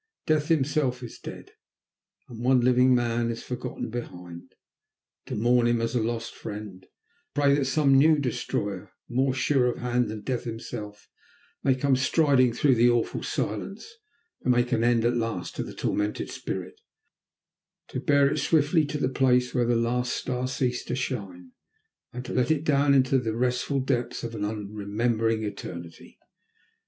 Death himself is dead, and one living man is forgotten behind, to mourn him as a lost friend, to pray that some new destroyer, more sure of hand than death himself, may come striding through the awful silence to make an end at last of the tormented spirit, to bear it swiftly to the place where that last star ceased to shine, and to let it down into the restful depths of an unremembering eternity.